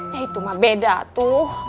ya itu mah beda tuh